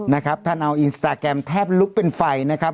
นะครับท่านเอาอินสตาแกรมแทบลุกเป็นไฟนะครับ